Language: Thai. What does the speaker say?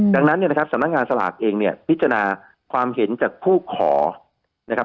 ดังนั้นเนี่ยนะครับสำนักงานสลากเองเนี่ยพิจารณาความเห็นจากผู้ขอนะครับ